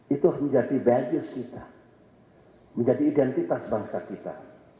itu menjadi values kita menjadi identitas bangsa kita